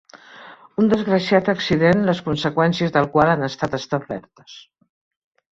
Un desgraciat accident les conseqüències del qual han estat establertes.